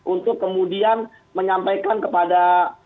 untuk kemudian menyampaikan kepada